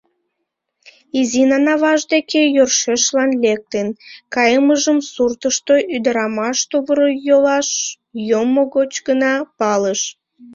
Изинан аваж деке йӧршешлан лектын кайымыжым суртышто ӱдырамаш тувыр-йолаш йоммо гоч гына палыш.